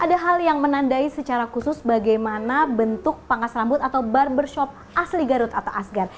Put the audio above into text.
ada hal yang menandai secara khusus bagaimana bentuk pangkas rambut atau barbershop asli garut atau asgar